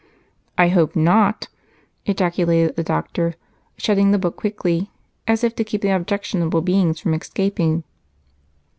"I hope not!" ejaculated the doctor, shutting the book quickly, as if to keep the objectionable beings from escaping.